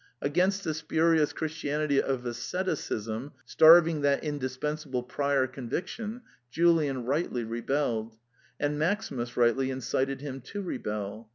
Against the spurious Christianity of as ceticism, starving that indispensable prior convic tion, Julian rightly rebelled ; and Maximus rightly incited him to rebel.